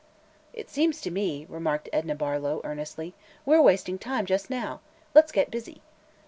"Seems to me," remarked Edna Barlow, earnestly, "we're wasting time just now. Let's get busy."